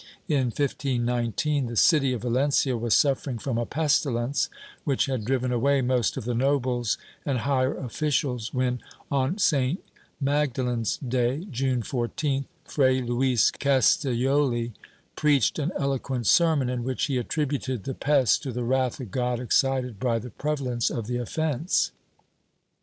In 1519, the city of Valencia was suffering from a pestilence which had driven away most of the nobles and higher officials when, on St. Magdalen's day (June 14th), Fray Luis Castellofi preached an eloquent ser mon in which he attributed the pest to the wrath of God excited by the prevalence of the offence.